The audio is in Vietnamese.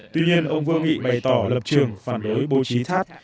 tuy nhiên ông vương nghị bày tỏ lập trường phản đối bố trí thắt